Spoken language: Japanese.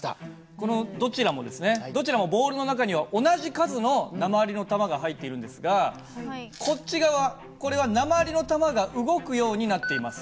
このどちらもですねどちらもボールの中には同じ数の鉛の玉が入っているんですがこっち側これは鉛の玉が動くようになっています。